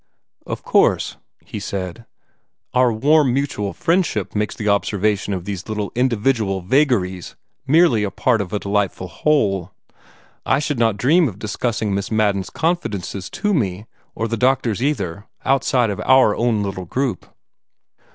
"Of course," he said, "our warm mutual friendship makes the observation of these little individual vagaries merely a part of a delightful whole. I should not dream of discussing Miss Madden's confidences to me, or the doctor's either, outside our own little group."